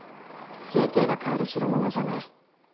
ＪＫが買える代物じゃない。